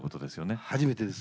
初めてです。